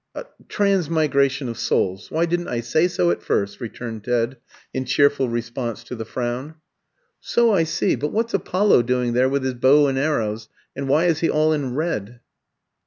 "Transmigration of souls why didn't I say so at first?" returned Ted, in cheerful response to the frown. "So I see; but what's Apollo doing there with his bow and arrows, and why is he all in red?"